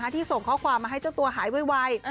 ที่ส่งข้อความมาให้เจ้าตัวหายไว